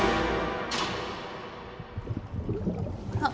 「あっ」